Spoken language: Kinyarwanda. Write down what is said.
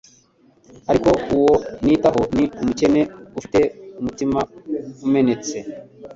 Ariko uwo nitaho ni umukene ufite umutima umenetse,